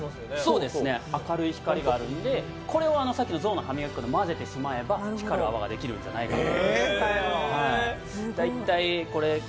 そうですね、明るい光があるんでこれをさっきの象の歯磨き粉と混ぜてしまえば光る泡ができるんじゃないかと。